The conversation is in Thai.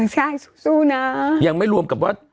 ใช่สู้นะยังไม่รวมกับว่า